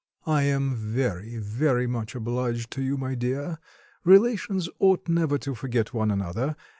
"I am very, very much obliged to you, my dear. Relations ought never to forget one another.